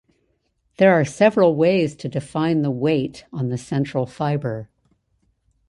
There are several ways to define the weight on the central fiber.